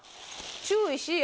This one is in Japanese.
注意しいや。